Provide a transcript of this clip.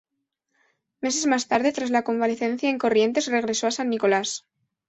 Meses más tarde, tras la convalecencia en Corrientes, regresó a San Nicolás.